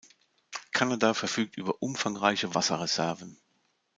Kanada verfügt über umfangreiche Wasserreserven.